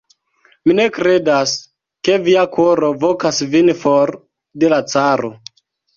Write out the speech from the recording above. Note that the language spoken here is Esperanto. Mi ne kredas, ke via koro vokas vin for de la caro.